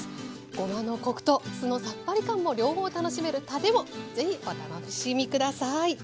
ごまのコクと酢のさっぱり感も両方楽しめるたれも是非お楽しみ下さい。